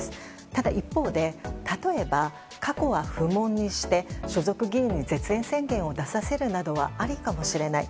ただ一方で例えば、過去は不問にして所属議員に絶縁宣言を出させるのはありかもしれない。